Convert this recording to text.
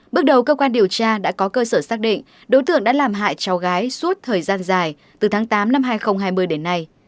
bước đầu cơ quan điều tra đã có cơ sở xác định đối tượng đã làm hại cháu gái suốt thời gian dài từ tháng tám năm hai nghìn hai mươi đến nay